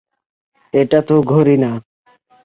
এটা তো ঘড়ি না।